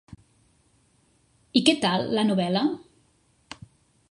I què tal, la novel·la?